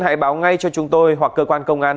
hãy báo ngay cho chúng tôi hoặc cơ quan công an